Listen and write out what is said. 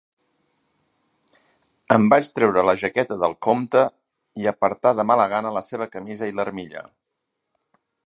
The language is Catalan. Em vaig treure la jaqueta del comte i apartar de mala gana la seva camisa i l'armilla.